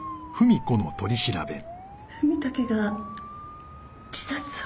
文武が自殺を？